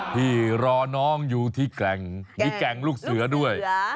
พี่รอน้องอยู่ที่แก่งมีแก่งลูกเสือด้วย